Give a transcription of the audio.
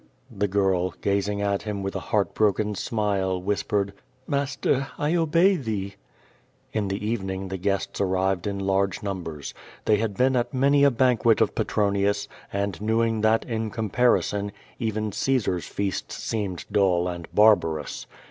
The girl, gazing at him with a heart broken smile, whis pered, "Master, I obey thee." In the evening the guests arrived in large numbers. They had been at many a banquet of Petronius, and knew that, in comparison, even Caesar's feasts seemed dull and barbarous.